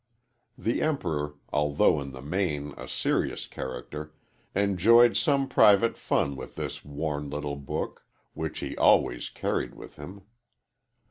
"_ The Emperor, although in the main a serious character, enjoyed some private fun with this worn little book, which he always carried with him.